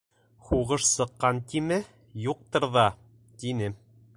— Һуғыш сыҡҡан тиме, юҡтыр ҙа, — тине.